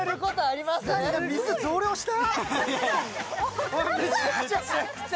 水、増量した！